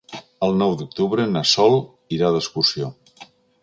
El nou d'octubre na Sol irà d'excursió.